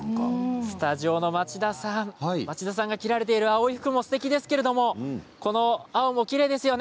スタジオの町田さんが着られている青い服もすてきですがこの青もいいですね。